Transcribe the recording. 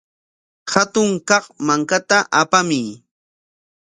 Hatun kaq mankata apamuy.